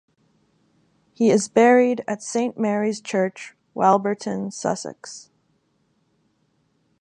He is buried at Saint Mary's Church, Walberton, Sussex.